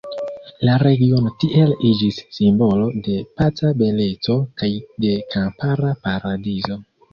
La regiono tiel iĝis simbolo de paca beleco kaj de kampara paradizo.